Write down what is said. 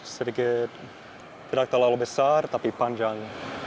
sedikit tidak terlalu besar tapi panjang